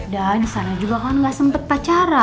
dan di sana juga kan nggak sempet pacaran